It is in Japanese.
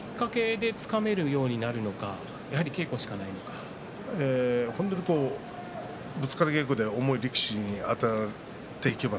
きっかけで疲れるようになるのか本人とぶつかり稽古で重い力士は勝っていけば